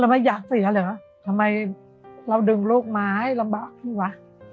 ไม่อยากเสียเหรอทำไมเราดึงลูกมาให้ลำบากพี่วะ